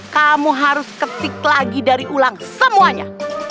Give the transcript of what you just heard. kamu harus ketik lagi dari ulang semuanya